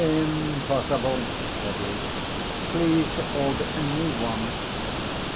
"Impossible," said he: "please to order a new one."